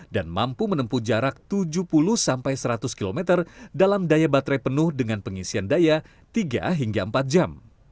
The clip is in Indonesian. dan mampu menempuh jarak tujuh puluh sampai seratus km dalam daya baterai penuh dengan pengisian daya tiga hingga empat jam